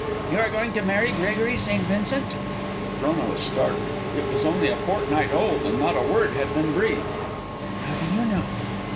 "You are going to marry Gregory St. Vincent?" Frona was startled. It was only a fortnight old, and not a word had been breathed. "How do you know?"